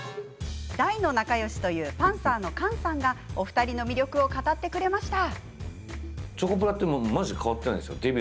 大の仲よしというパンサーの菅さんがお二人の魅力を語ってくれました。